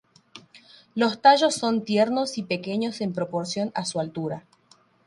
Los tallos son tiernos y pequeños en proporción a su altura.